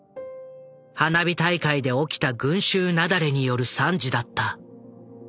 花火大会で起きた群集雪崩による惨事だった。